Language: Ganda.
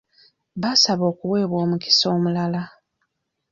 Baasaba okuweebwa omukisa omulala.